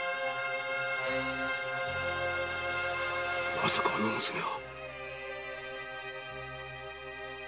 まさかあの娘は。